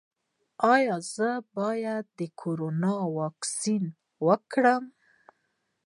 ایا زه باید د کرونا واکسین وکړم؟